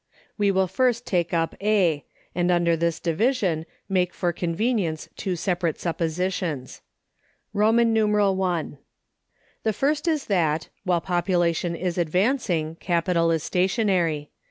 We will first take up A, and under this division make for convenience two separate suppositions: I. The first is that, while Population is advancing, Capital is stationary.